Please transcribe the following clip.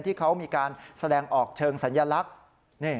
ที่เขามีการแสดงออกเชิงสัญลักษณ์